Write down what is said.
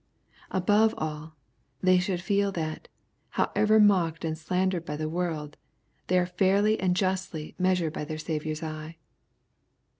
Above aU, they should feel that, however mocked and slandered by the world, they are fairly and justly measured by their Saviour's eye.